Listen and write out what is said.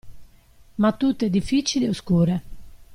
Ma tutte difficili e oscure.